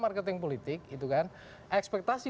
marketing politik itu kan ekspektasi